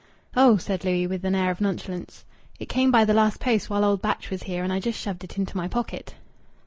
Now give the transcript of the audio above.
"Oh!" said Louis with an air of nonchalance. "It came by the last post while old Batch was here, and I just shoved it into my pocket."